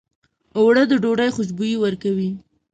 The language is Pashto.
اوړه د ډوډۍ خوشبويي ورکوي